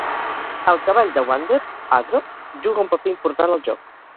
El cavall de Wander, Agro, juga un paper important al joc.